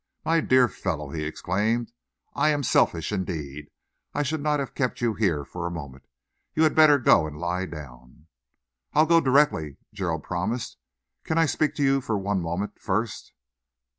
"My dear fellow," he exclaimed, "I am selfish, indeed! I should not have kept you here for a moment. You had better go and lie down." "I'll go directly," Gerald promised. "Can I speak to you for one moment first?"